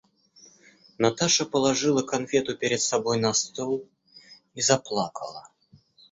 Наташа положила конфету перед собой на стол и заплакала.